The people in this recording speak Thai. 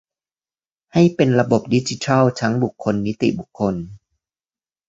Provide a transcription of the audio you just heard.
ให้เป็นระบบดิจิทัลทั้งบุคคล นิติบุคคล